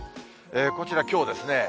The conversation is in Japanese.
こちらきょうですね。